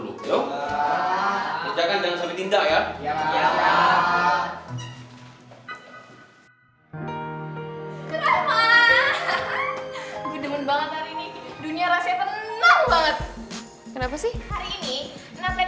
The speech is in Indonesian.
teman teman banget hari ini dunia rasanya tenang banget kenapa sih hari ini nonton